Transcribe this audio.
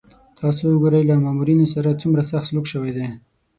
تاسو وګورئ له مامورینو سره څومره سخت سلوک شوی دی.